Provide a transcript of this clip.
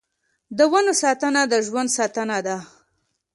د ونو ساتنه د ژوند ساتنه ده.